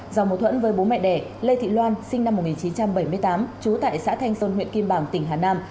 do mâu thuẫn với bố mẹ đẻ lê thị loan sinh năm một nghìn chín trăm bảy mươi tám trú tại xã thanh xuân huyện kim bảng tỉnh hà nam